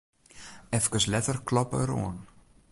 Efkes letter kloppe er oan.